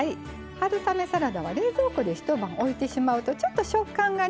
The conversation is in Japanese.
春雨サラダは冷蔵庫で一晩置いてしまうとちょっと食感がね